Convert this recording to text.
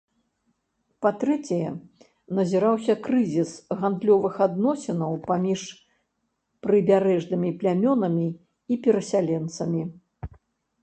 Па-трэцяе, назіраўся крызіс гандлёвых адносінаў паміж прыбярэжнымі плямёнамі і перасяленцамі.